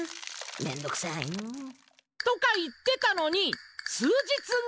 めんどうくさいのう。とか言ってたのに数日後。